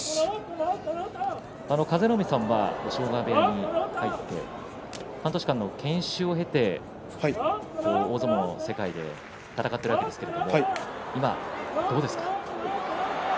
風の湖さんは押尾川部屋に入って半年間の研修を経て大相撲の世界で戦っているわけですが今、どうですか？